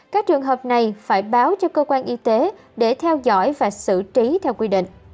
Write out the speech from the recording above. các trường hợp này phải báo cho cơ quan y tế để theo dõi và xử trí theo quy định